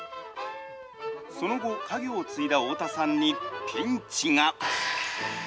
その後、家業を継いだ太田さんにピンチが。